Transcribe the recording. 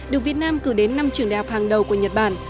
được việt nam cử đến năm trường đại học hàng đầu của nhật bản